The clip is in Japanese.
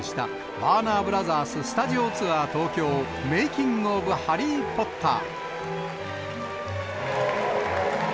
ワーナーブラザーススタジオツアー東京メイキング・オブ・ハリー・ポッター。